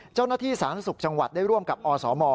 เจ้าหน้าที่ศาลนักศึกษ์จังหวัดได้ร่วมกับอสม